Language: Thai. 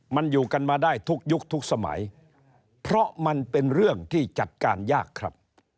มันอยู่กันมาได้ทุกยุคทุกสมัยเพราะมันเป็นเรื่องที่จัดการยากครับ